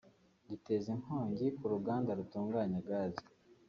giteza inkongi ku ruganda rutunganya gazi